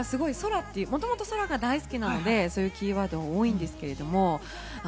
もともと空が大好きなので、そういうキーワードも多いんですけれども。